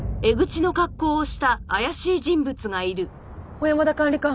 小山田管理官。